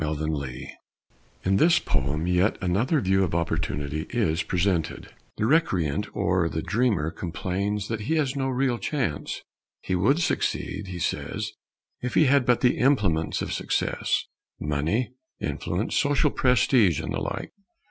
_ OPPORTUNITY In this poem yet another view of opportunity is presented. The recreant or the dreamer complains that he has no real chance. He would succeed, he says, if he had but the implements of success money, influence, social prestige, and the like.